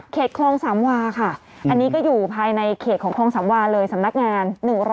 คลองสามวาค่ะอันนี้ก็อยู่ภายในเขตของคลองสามวาเลยสำนักงาน